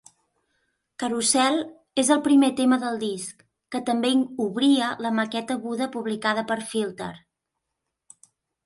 "Carousel" és el primer tema del disc, que també obria la maqueta "Buddha" publicada per Filter.